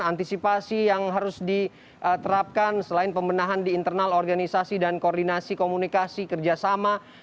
antisipasi yang harus diterapkan selain pembenahan di internal organisasi dan koordinasi komunikasi kerjasama